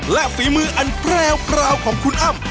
และฝีมืออันแพรวของคุณอ้ำ